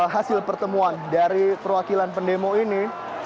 hasil pertemuan dari perwakilan pendemo ini